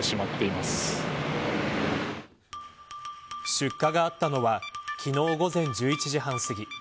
出火があったのは昨日、午前１１時半すぎ。